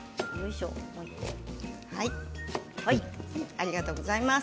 ありがとうございます。